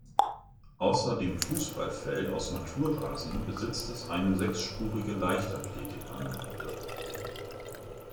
Außer dem Fußballfeld aus Naturrasen besitzt es eine sechsspurige Leichtathletikanlage.